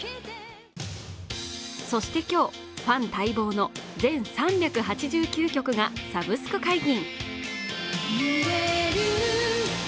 そして今日、ファン待望の全３８９曲がサブスク解禁。